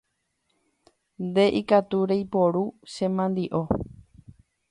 Nde ikatu reiporu che mandi’o.